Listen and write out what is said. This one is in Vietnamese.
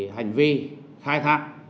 hành vi thai thạc